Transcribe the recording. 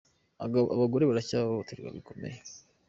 Abagore baracyahohoterwa bikomeye